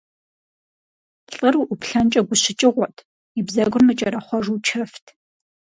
ЛӀыр уӀуплъэнкӀэ гущыкӀыгъуэт, и бзэгур мыкӀэрэхъуэжу чэфт.